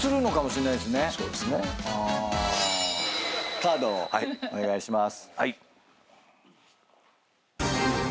カードをお願いします。